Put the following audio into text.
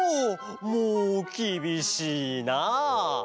もうきびしいなあ！